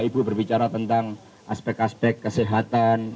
ibu berbicara tentang aspek aspek kesehatan